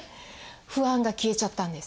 不安が消えちゃったんです。